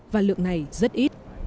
và lượng này rất ít